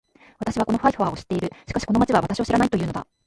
私はこのハイファを知っている。しかしこの町は私を知らないと言うのだ